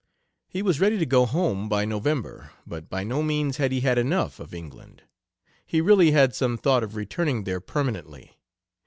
He was ready to go home by November, but by no means had he had enough of England. He really had some thought of returning there permanently.